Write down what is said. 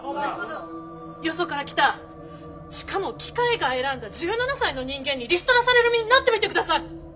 よそから来たしかも機械が選んだ１７才の人間にリストラされる身になってみてください！